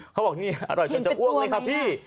เขาบอกนี่อร่อยจนจะอ้วกเลยค่ะพี่